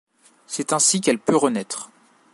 C’est ainsi qu’elle peut renaître.